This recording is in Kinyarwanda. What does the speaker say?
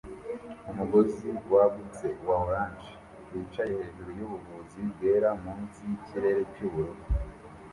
Umugozi wagutse wa orange wicaye hejuru yubuvuzi bwera munsi yikirere cyubururu